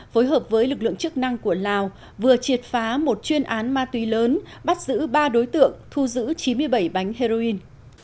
phối hợp với lực lượng chức năng của lào vừa triệt phá một chuyên án ma túy lớn bắt giữ ba đối tượng thu giữ chín mươi bảy bánh heroin